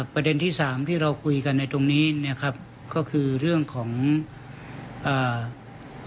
ประเด็นที่สามที่เราคุยกันในตรงนี้เนี้ยครับก็คือเรื่องของอ่า